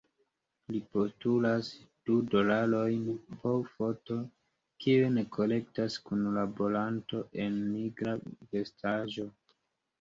Li postulas du dolarojn po foto, kiujn kolektas kunlaboranto en nigra vestaĵo.